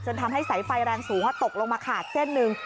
ทำให้สายไฟแรงสูงตกลงมาขาดเส้นหนึ่ง